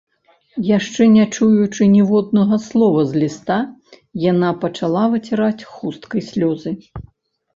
Яшчэ не чуючы ніводнага слова з ліста, яна пачала выціраць хусткай слёзы.